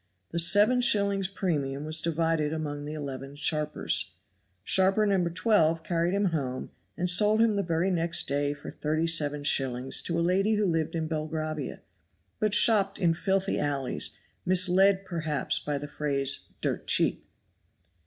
The seven shillings premium was divided among the eleven sharpers. Sharper No. 12 carried him home and sold him the very next day for 37s. to a lady who lived in Belgravia, but shopped in filthy alleys, misled perhaps by the phrase "dirt cheap."